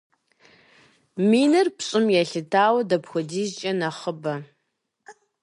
Миныр пщӏым елъытауэ дапхуэдизкӏэ нэхъыбэ?